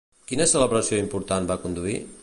Quina celebració important va conduir?